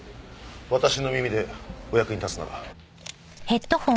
私の耳でお役に立つなら。